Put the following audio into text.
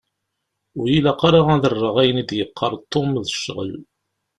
Ur y-ilaq ara ad rreɣ ayen i d-yeqqar Tom d ccɣel.